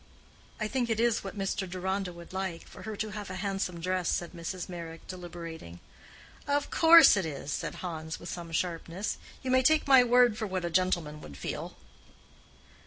"I think it is what Mr. Deronda would like—for her to have a handsome dress," said Mrs. Meyrick, deliberating. "Of course it is," said Hans, with some sharpness. "You may take my word for what a gentleman would feel."